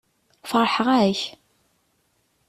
Feṛḥeɣ-ak.